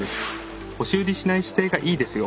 押し売りしない姿勢がいいですよ。